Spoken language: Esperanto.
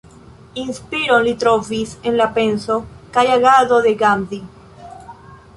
Inspiron li trovis en la penso kaj agado de Gandhi.